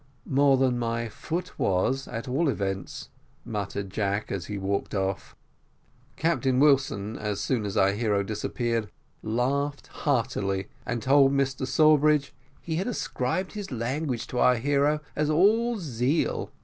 "More than my foot was, at all events," muttered Jack, as he walked off. Captain Wilson, as soon as our hero disappeared, laughed heartily, and told Mr Sawbridge "he had ascribed his language to our hero as all zeal.